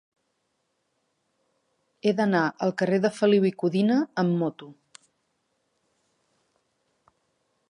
He d'anar al carrer de Feliu i Codina amb moto.